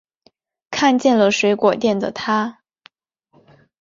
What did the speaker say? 看见了水果店的她